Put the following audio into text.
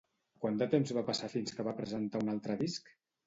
Quant de temps va passar fins que va presentar un altre disc?